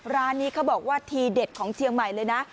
ร้านนี้เขาบอกว่าทีเด็ดของเชียงใหม่เลยนะ